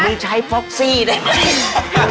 มึงใช้ปลอกซี่ได้มั้ย